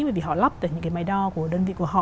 bởi vì họ lắp được những cái máy đo của đơn vị của họ